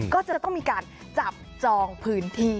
ก็จะต้องมีการจับจองพื้นที่